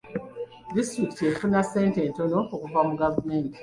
Disitulikiti efuna ssente ntono okuva mu gavumenti.